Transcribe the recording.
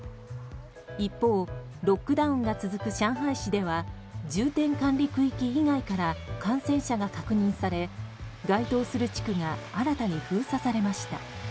一方、ロックダウンが続く上海市では重点管理区域以外から感染者が確認され該当する地区が新たに封鎖されました。